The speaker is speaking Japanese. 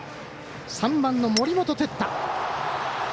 ３番の森本哲太。